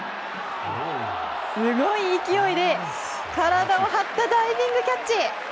すごい勢いで、体を張ったダイビングキャッチ！